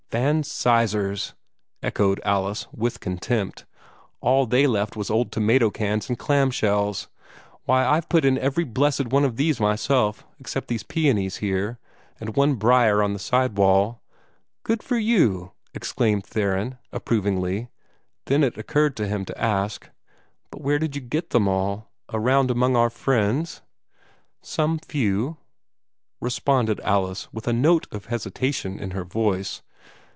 "Van Sizers!" echoed Alice, with contempt. "All they left was old tomato cans and clamshells. Why, I've put in every blessed one of these myself, all except those peonies, there, and one brier on the side wall." "Good for you!" exclaimed Theron, approvingly. Then it occurred to him to ask, "But where did you get them all? Around among our friends?" "Some few," responded Alice, with a note of hesitation in her voice.